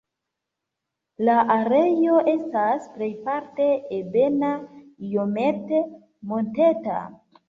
La areo estas plejparte ebena, iomete monteta.